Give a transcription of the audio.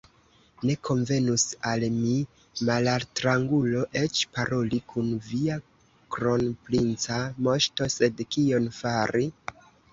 Ne konvenus al mi, malaltrangulo, eĉ paroli kun via kronprinca moŝto, sed kion fari?